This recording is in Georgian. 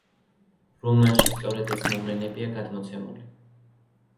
რომანში სწორედ ეს მოვლენებია გადმოცემული.